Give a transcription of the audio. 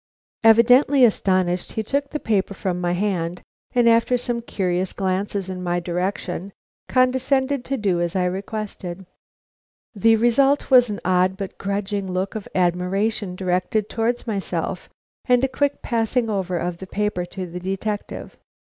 Evidently astonished, he took the paper from my hand, and, after some curious glances in my direction, condescended to do as I requested. The result was an odd but grudging look of admiration directed towards myself and a quick passing over of the paper to the detective.